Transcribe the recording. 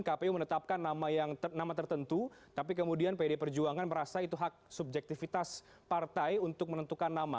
kpu menetapkan nama tertentu tapi kemudian pd perjuangan merasa itu hak subjektivitas partai untuk menentukan nama